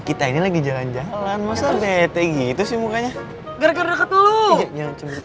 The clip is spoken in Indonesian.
kita ini lagi jalan jalan masa bete gitu sih mukanya gara gara ketemu yang cenderung